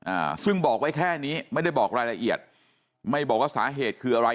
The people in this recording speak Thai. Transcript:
อ่าซึ่งบอกไว้แค่นี้ไม่ได้บอกรายละเอียดไม่บอกว่าสาเหตุคืออะไร